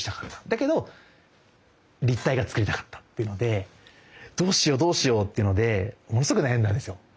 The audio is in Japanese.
だけど立体が作りたかったっていうのでどうしようどうしようっていうのでものすごく悩んだんですよ。